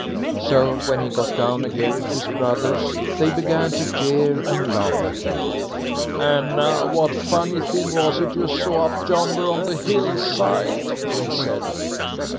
So when he got down again to his brothers, they began to jeer and laugh at him. "And now, what funny thing was it you saw up yonder on the hill side?" they said.